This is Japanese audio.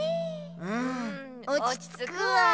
うんおちつくわあ。